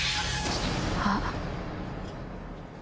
あっ。